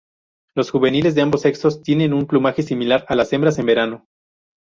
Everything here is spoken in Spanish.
Los juveniles de ambos sexos tienen un plumaje similar a las hembras en verano.